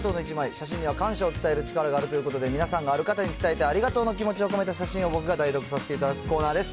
写真には感謝を伝える力があるということで、皆さんが、ある方に伝えたいありがとうの気持ちを込めた写真を僕が代読させていただくコーナーです。